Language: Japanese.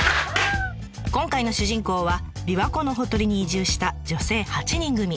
今回の主人公は琵琶湖のほとりに移住した女性８人組。